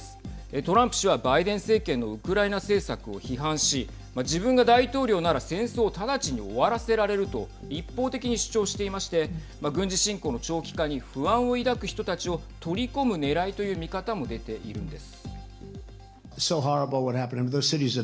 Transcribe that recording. トランプ氏はバイデン政権のウクライナ政策を批判し自分が大統領なら戦争を直ちに終わらせられると一方的に主張していまして軍事侵攻の長期化に不安を抱く人たちを取り込むねらいという見方も出ているんです。